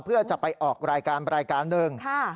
เพื่อจะไปออกรายการรายการหนึ่ง